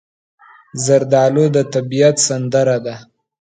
زردالو د طبیعت سندره ده.